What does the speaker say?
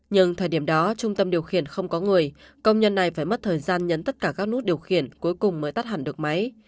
nhưng thời điểm đó trung tâm điều khiển không có người công nhân này phải mất thời gian nhấn tất cả các nút điều khiển cuối cùng mới tắt hẳn được máy